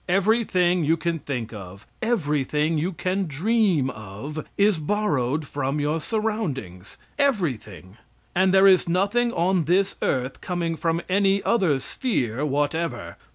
Every thing you can think of every thing you can dream of, is borrowed from your surroundings everything. And there is nothing on this earth coming from any other sphere whatever.